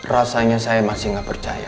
rasanya saya masih nggak percaya